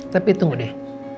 tapi tunggu deh